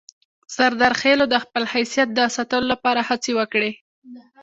سردارخېلو د خپل حیثیت د ساتلو لپاره هڅې وکړې.